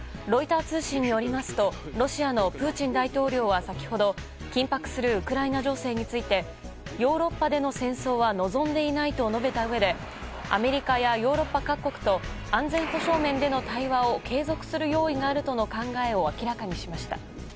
ロイター通信によりますとロシアのプーチン大統領は先ほど緊迫するウクライナ情勢についてヨーロッパでの戦争は望んでいないと述べたうえでアメリカやヨーロッパ各国と安全保障面での対話を継続する用意があるとの考えを明らかにしました。